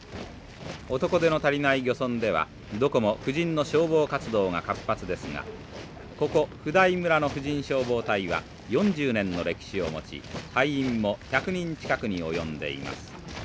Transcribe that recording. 男手の足りない漁村ではどこも婦人の消防活動が活発ですがここ普代村の婦人消防隊は４０年の歴史を持ち隊員も１００人近くに及んでいます。